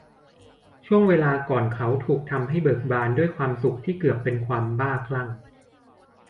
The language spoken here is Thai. ช่วงเวลาก่อนเขาถูกทำให้เบิกบานด้วยความสุขที่เกือบเป็นความบ้าคลั่ง